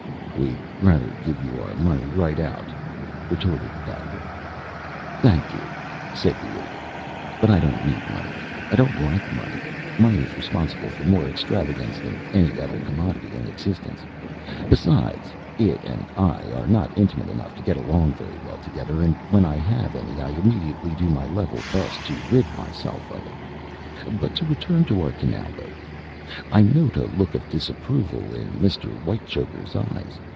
"We'd rather give you our money right out," retorted the Doctor. "Thank you," said the Idiot. "But I don't need money. I don't like money. Money is responsible for more extravagance than any other commodity in existence. Besides, it and I are not intimate enough to get along very well together, and when I have any I immediately do my level best to rid myself of it. But to return to our canal boat, I note a look of disapproval in Mr. Whitechoker's eyes.